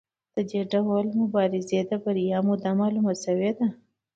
د دې ډول مبارزې د بریا موده معلومه شوې ده.